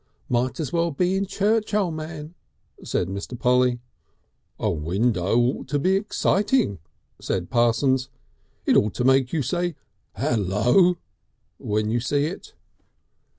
"Might as well be in church, O' Man," said Mr. Polly. "A window ought to be exciting," said Parsons; "it ought to make you say: El lo! when you see it."